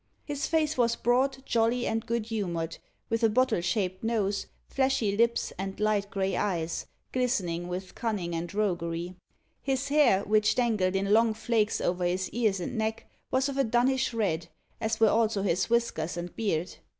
His face was broad, jolly, and good humoured, with a bottle shaped nose, fleshy lips, and light grey eyes, glistening with cunning and roguery. His hair, which dangled in long flakes over his ears and neck, was of a dunnish red, as were also his whiskers and beard.